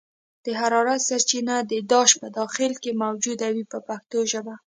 د حرارت سرچینه د داش په داخل کې موجوده وي په پښتو ژبه.